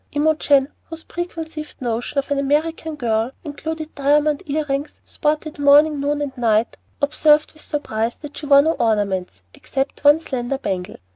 Imogen, whose preconceived notion of an American girl included diamond ear rings sported morning, noon, and night, observed with surprise that she wore no ornaments except one slender bangle.